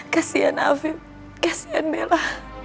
kasian afif kasian bella